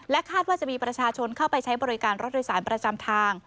คาดว่าจะมีประชาชนเข้าไปใช้บริการรถโดยสารประจำทาง